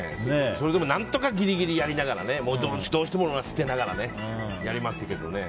それでも何とかギリギリやりながらどうしても物を捨てながらやりますけどね。